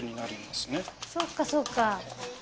そうかそうか。